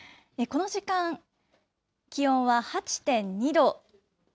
この時間、気温は８．２度。